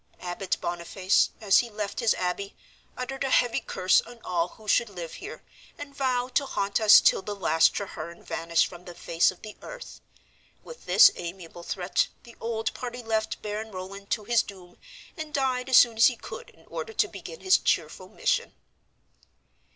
Abbot Boniface, as he left his abbey, uttered a heavy curse on all who should live here, and vowed to haunt us till the last Treherne vanished from the face of the earth. With this amiable threat the old party left Baron Roland to his doom, and died as soon as he could in order to begin his cheerful mission."